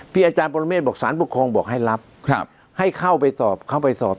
อาจารย์ปรเมฆบอกสารปกครองบอกให้รับให้เข้าไปสอบเข้าไปสอบ